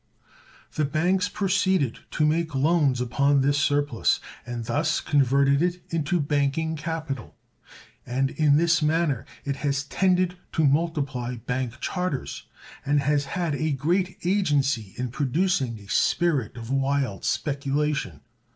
The banks proceeded to make loans upon this surplus, and thus converted it into banking capital, and in this manner it has tended to multiply bank charters and has had a great agency in producing a spirit of wild speculation.